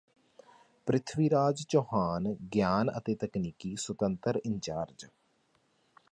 ਪ੍ਰਿਥਵੀਰਾਜ ਚੌਹਾਣ ਗਿਆਨ ਅਤੇ ਤਕਨੀਕੀ ਸੁਤੰਤਰ ਇੰਚਾਰਜ਼